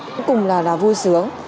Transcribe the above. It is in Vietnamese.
cuối cùng là vui sướng